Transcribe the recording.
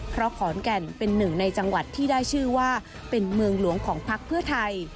เพราะขอนแก่นเป็นหนึ่งในจังหวัดที่ได้ชื่อว่าเป็นเมืองหลวงของพักเพื่อไทย